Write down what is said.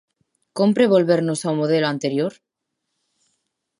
Cómpre volvermos ao modelo anterior?